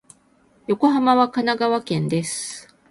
横浜は神奈川県です。